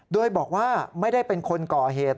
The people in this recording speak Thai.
โดยบอกว่าไม่ได้เป็นคนก่อเหตุ